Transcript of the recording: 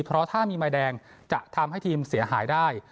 เพราะถ้ามีใบแดงจะทำให้ทีมเสียหายได้